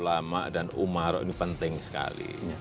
ulama dan umaro ini penting sekali